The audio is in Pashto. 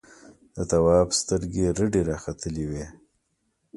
د تواب سترګې رډې راختلې وې.